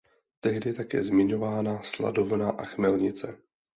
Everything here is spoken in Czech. Tehdy je také zmiňována sladovna a chmelnice.